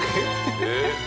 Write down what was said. えっ？